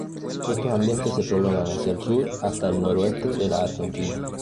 Estos ambientes se prolongan hacia el sur hasta el noroeste de la Argentina.